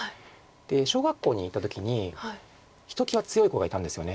で小学校に行った時にひときわ強い子がいたんですよね。